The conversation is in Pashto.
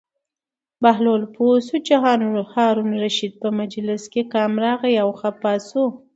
بهلول پوه شو چې هارون الرشید په مجلس کې کم راغی او خپه شو.